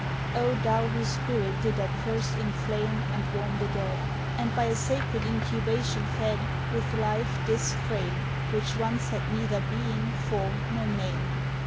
O thou whose spirit did at first inflame And warm the dead! And by a sacred incubation fed With life this frame, Which once had neither being, form, nor name!